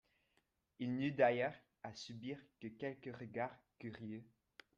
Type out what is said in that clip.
Il n'eut d'ailleurs, à subir que quelques regards curieux.